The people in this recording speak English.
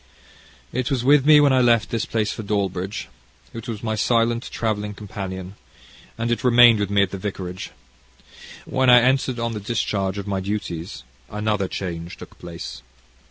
"It was with me when I left this place for Dawlbridge. It was my silent travelling companion, and it remained with me at the vicarage. When I entered on the discharge of my duties, another change took place.